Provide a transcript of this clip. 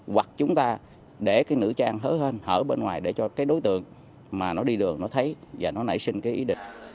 hoặc chúng ta để cái nữ trang hớ hơn ở bên ngoài để cho cái đối tượng mà nó đi đường nó thấy và nó nảy sinh cái ý định